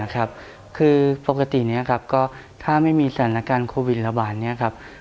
คือปกติถ้าไม่มีสรรละการโควิดเหลือ